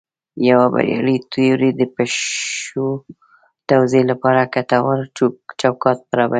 یوه بریالۍ تیوري د پېښو توضیح لپاره ګټور چوکاټ برابروي.